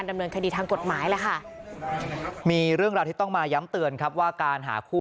ดำเนินคดีทางกฎหมายแล้วค่ะ